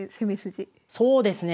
そうですね